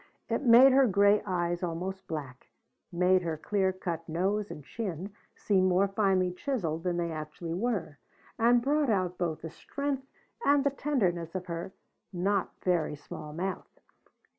It made her gray eyes almost black; made her clear cut nose and chin seem more finely chiseled than they actually were, and brought out both the strength and the tenderness of her not very small mouth.